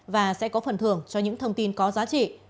và sẽ có phần thưởng cho những thông tin có giá trị